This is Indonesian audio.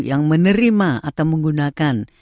yang menerima atau menggunakan